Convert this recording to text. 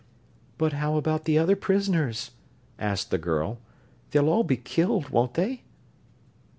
"But how about the other prisoners?" asked the girl. "They'll all be killed, won't they?"